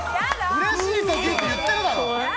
嬉しいときって言ってるだろ！